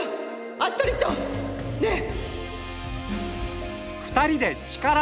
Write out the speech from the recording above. アストリッドねえ！